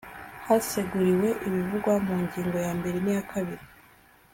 haseguriwe ibivugwa mu ngingo yambere n’iya kabiri